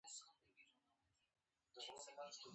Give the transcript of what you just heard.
د دوراه کوتل بدخشان او پاکستان نښلوي